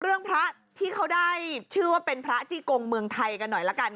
พระที่เขาได้ชื่อว่าเป็นพระจี้กงเมืองไทยกันหน่อยละกัน